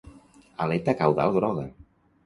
Aleta caudal groga.